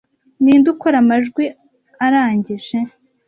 Ninde ukora amajwi arangije